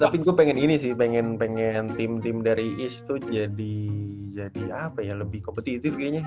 tapi gue pengen ini sih pengen pengen tim tim dari east tuh jadi apa ya lebih kompetitif kayaknya